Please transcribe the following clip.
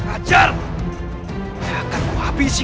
aku tidak terima